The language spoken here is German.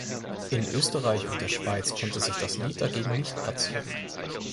In Österreich und der Schweiz konnte sich das Lied dagegen nicht platzieren.